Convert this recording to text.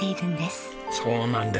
そうなんです。